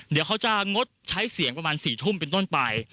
เดี๋ยวเขาจะงดใช้เสียงประมาณ๔ทุ่มเป็นต้นไป